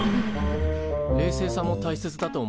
冷静さもたいせつだと思います。